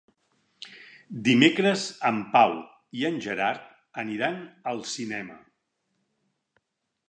Dimecres en Pau i en Gerard aniran al cinema.